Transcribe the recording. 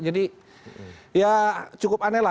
jadi ya cukup aneh lah